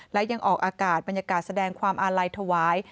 และยังออกอากาศบรรยากาศแสดงความอาลัยถวาย